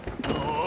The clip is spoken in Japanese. ああ！